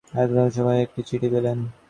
এরকম সময়ে তিনি একটি চিঠি পেলেন।